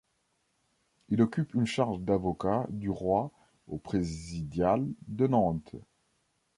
Il occupe une charge d’avocat du roi au présidial de Nantes.